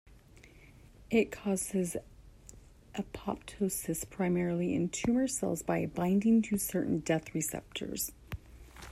It causes apoptosis primarily in tumor cells, by binding to certain death receptors.